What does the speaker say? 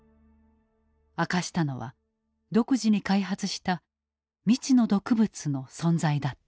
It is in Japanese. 明かしたのは独自に開発した未知の毒物の存在だった。